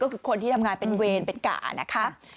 ก็คือคนที่ทำงานเป็นเวรเป็นก่านะคะ